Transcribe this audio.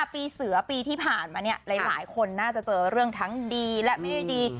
ปีเสือปีที่ผ่านมาเนี่ยหลายคนน่าจะเจอเรื่องทั้งดีและไม่ได้ดี